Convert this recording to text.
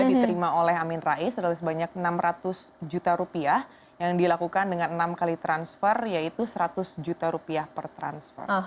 yang diterima oleh amin rais adalah sebanyak enam ratus juta rupiah yang dilakukan dengan enam kali transfer yaitu seratus juta rupiah per transfer